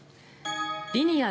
リニア